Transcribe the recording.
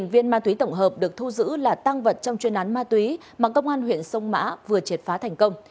một mươi viên ma túy tổng hợp được thu giữ là tăng vật trong chuyên án ma túy mà công an huyện sông mã vừa triệt phá thành công